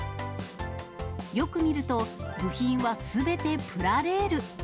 よく見ると、部品はすべてプラレール。